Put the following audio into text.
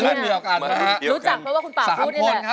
รู้จักแล้วว่าคุณปากพูดนี่แหละ